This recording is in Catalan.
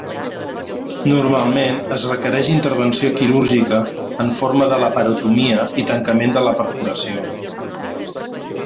Normalment es requereix intervenció quirúrgica en forma de laparotomia i tancament de la perforació.